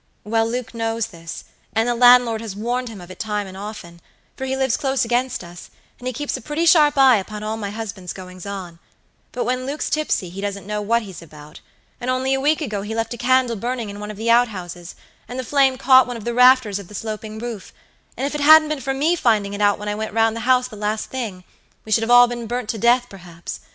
Well, Luke knows this; and the landlord has warned him of it times and often, for he lives close against us, and he keeps a pretty sharp eye upon all my husband's goings on; but when Luke's tipsy he doesn't know what he's about, and only a week ago he left a candle burning in one of the out houses, and the flame caught one of the rafters of the sloping roof, and if it hadn't been for me finding it out when I went round the house the last thing, we should have all been burnt to death, perhaps.